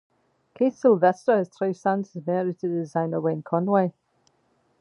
Kate Sylvester has three sons and is married to the designer Wayne Conway.